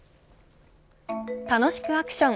楽しくアクション！